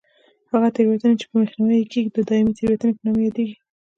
هغه تېروتنې چې مخنیوی یې کېږي د دایمي تېروتنې په نامه یادېږي.